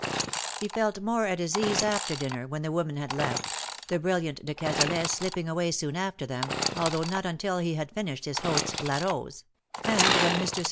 He felt more at his ease after dinner, when the women had left — the brilliant de Cazalet slipping away soon after them, although not until he had finished his host's La Rose — and when Mr. St.